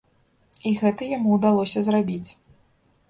І гэта яму ўдалося зрабіць.